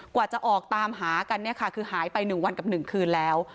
กว่าจะออกตามหากันเนี่ยค่ะคือหายไป๑วันกับ๑คืนแล้ว